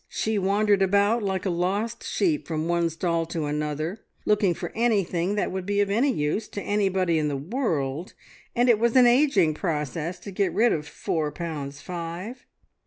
She wandered about like a lost sheep from one stall to another, looking for anything that would be of any use to anybody in the world, and it was an ageing process to get rid of four pounds five.